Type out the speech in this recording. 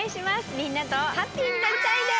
みんなとハッピーになりたいです！